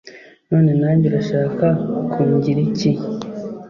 none nange urashaka kungira iki?